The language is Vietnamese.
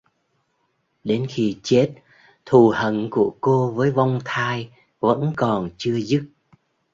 Đến khi chết Thù Hận của cô với vong thai vẫn còn chưa dứt